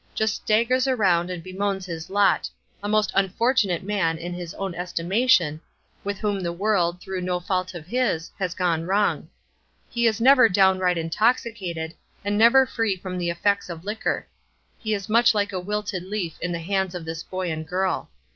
Just staggers around and bemoans his lot; a most unfortunate man, in his own estimation, with whom the world, through no fault of his, has gone wrong. He is never downright intoxicated, and never free from the effects of liquor. He is much like a wilted leaf in the hands of this boy and girl.